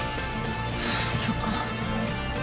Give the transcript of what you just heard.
そっか。